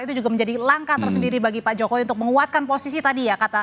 itu juga menjadi langkah tersendiri bagi pak jokowi untuk menguatkan posisi tadi ya